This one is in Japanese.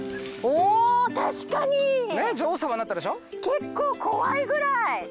結構怖いぐらい！